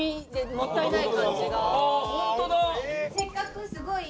もったいない。